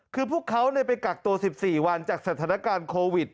คือพวกเขาไปกักตัว๑๔วันจากสถานการณ์โควิด